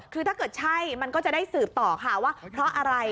คือถ้าเกิดใช่มันก็จะได้สืบต่อค่ะว่าเพราะอะไร